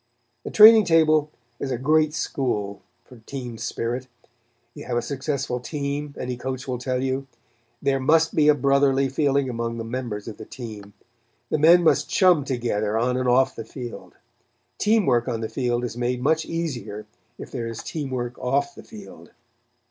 The training table is a great school for team spirit. To have a successful team, any coach will tell you, there must be a brotherly feeling among the members of the team. The men must chum together on and off the field. Team work on the field is made much easier if there is team work off the field.